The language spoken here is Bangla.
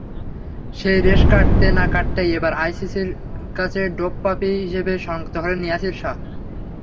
সেই রেশ কাটতে না-কাটতেই এবার আইসিসির কাছে ডোপপাপী হিসেবে শনাক্ত হলেন ইয়াসির শাহ।